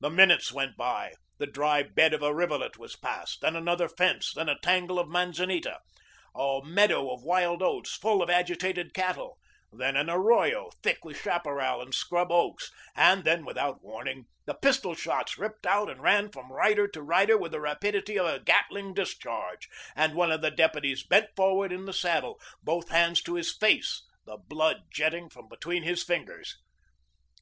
The minutes went by. The dry bed of a rivulet was passed; then another fence; then a tangle of manzanita; a meadow of wild oats, full of agitated cattle; then an arroyo, thick with chaparral and scrub oaks, and then, without warning, the pistol shots ripped out and ran from rider to rider with the rapidity of a gatling discharge, and one of the deputies bent forward in the saddle, both hands to his face, the blood jetting from between his fingers.